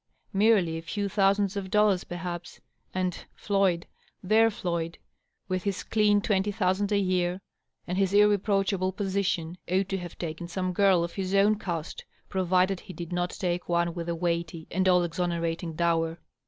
Merely a few thousands of dollars, perhaps. And Floyd — ihdr Floyd — with his clean twenty thousand a year and his irreproachable " position," ought to have taken some girl of his own caste, provided he did not take one with a weighty and all exonerating dower.